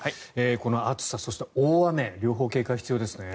この暑さ、そして大雨両方警戒が必要ですね。